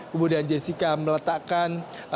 kemudian jessica meletakkan